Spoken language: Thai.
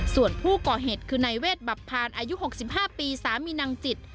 ส่วนผู้ก่อเหตุคือนายเวทบับพานอายุ๖๕ปีสามีนางจิต